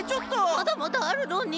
まだまだあるのに。